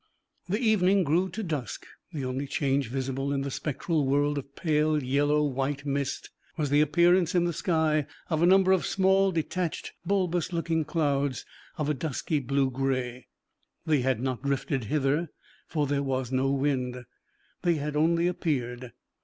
The evening grew to dusk; the only change visible in the spectral world of pale yellow white mist was the appearance in the sky of a number of small, detached bulbous looking clouds of a dusky blue gray. They had not drifted hither, for there was no wind. They had only appeared.